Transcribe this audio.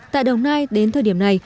tại đồng nai đến thời điểm này